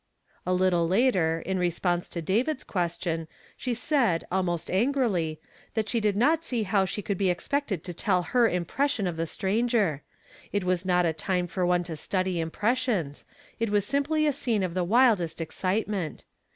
A little later, in response to David's question, she said, almost angrily, that she did not see how she could be expected to tell her impression of the stranger ; it was not a time for one to study im pressions ; it was simply a scene of the wildest excitement.